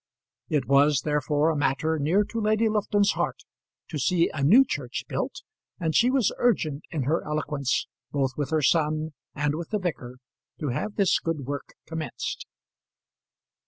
It was, therefore, a matter near to Lady Lufton's heart to see a new church built, and she was urgent in her eloquence, both with her son and with the vicar, to have this good work commenced.